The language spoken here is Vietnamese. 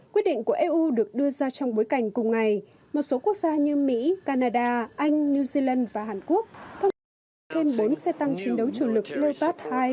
quyết định của eu được đưa ra trong bối cảnh cùng ngày một số quốc gia như mỹ canada anh new zealand và hàn quốc thông báo thêm bốn xe tăng chiến đấu chủ lực loat hai